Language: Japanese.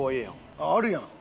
あっあるやん。